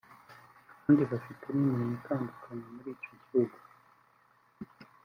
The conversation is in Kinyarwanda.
abandi bafite imirimo itandukanye muri icyo gihugu